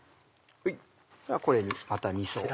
これにまたみそを。